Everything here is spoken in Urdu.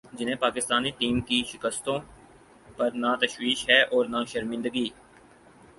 جنہیں پاکستانی ٹیم کی شکستوں پر نہ تشویش ہے اور نہ شرمندگی ۔